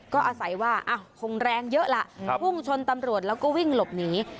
ก็อาศัยว่าคงแรงเยอะล่ะพุ่งชนตำรวจแล้วก็วิ่งหลบหนี